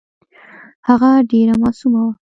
هغه ډېره معصومه ده .